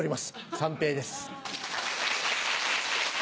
三平です。